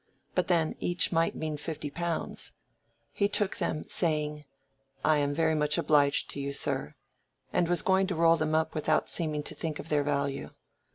But then, each might mean fifty pounds. He took them, saying— "I am very much obliged to you, sir," and was going to roll them up without seeming to think of their value.